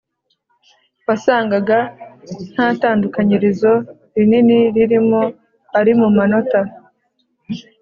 wasangaga nta tandukanyirizo rinini ririmo, ari mu manota